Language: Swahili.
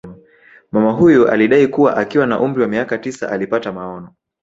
Mama huyu alidai kuwa akiwa na umri wa miaka tisa alipata maono